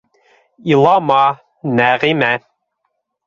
Илама, Нәғимә!